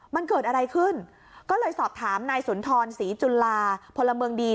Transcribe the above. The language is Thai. มันเกิดอะไรขึ้นก็เลยสอบถามนายสุนทรศรีจุลาพลเมืองดี